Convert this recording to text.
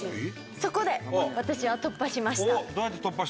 そこで私は突破しました。